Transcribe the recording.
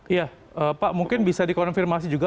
iya pak mungkin bisa dikonfirmasi juga